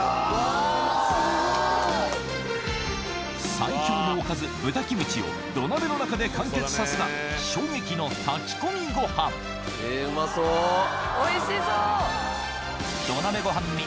最強のおかず豚キムチを土鍋の中で完結させた衝撃の炊き込みご飯おいしそう！